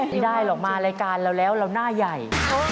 ไม่ได้หรอกมารายการเราแล้วเราหน้าใหญ่